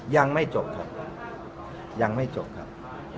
อย่างไม่จบครับ